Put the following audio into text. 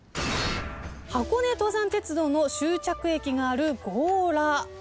箱根登山鉄道の終着駅がある強羅。